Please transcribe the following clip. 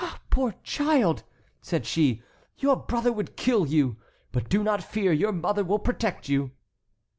"Ah, poor child!" said she, "your brother would kill you. But do not fear, your mother will protect you."